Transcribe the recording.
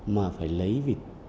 mà phải lấy vịt